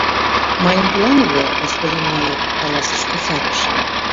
— Мыйын план уло, господин майор, — каласыш кусарыше.